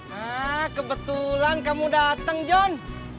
nah kebetulan kamu datang john